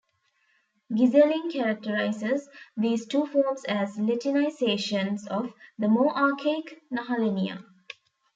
Gysseling characterizes these two forms as Latinisations of the more archaic "Nehalennia".